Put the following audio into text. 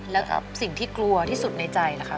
แล้วสิ่งที่กลัวที่สุดในใจล่ะคะ